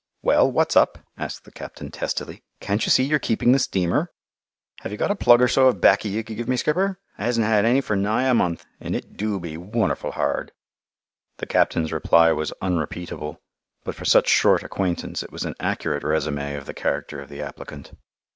"Well, what's up?" asked the captain testily. "Can't you see you're keeping the steamer?" [Illustration: "HAVE YOU A PLUG OF BACCY, SKIPPER?"] "Have you got a plug or so of baccy you could give me, skipper? I hasn't had any for nigh a month, and it do be wonderful hard." The captain's reply was unrepeatable, but for such short acquaintance it was an accurate résumé of the character of the applicant.